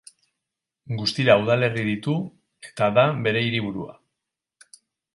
Guztira udalerri ditu eta da bere hiriburua.